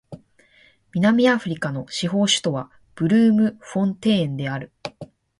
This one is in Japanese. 南アフリカの司法首都はブルームフォンテーンである